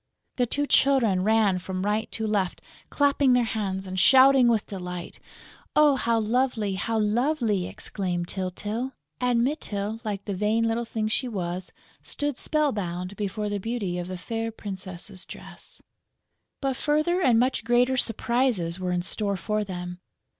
The two children ran from right to left clapping their hands and shouting with delight. "Oh, how lovely, how lovely!" exclaimed Tyltyl. And Mytyl, like the vain little thing she was, stood spell bound before the beauty of the fair princess' dress. But further and much greater surprises were in store for them.